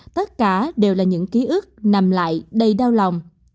tất cả đều là những ký ức nằm lại đầy đau lòng